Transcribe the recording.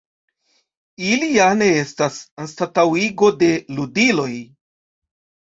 Ili ja ne estas anstataŭigo de ludiloj.